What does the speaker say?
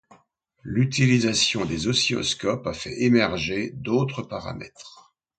L'utilisation des oscilloscopes a fait émerger d'autres paramètres.